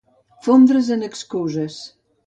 Fondre's en excuses.